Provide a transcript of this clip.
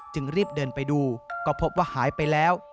รีบเดินไปดูก็พบว่าหายไปแล้ว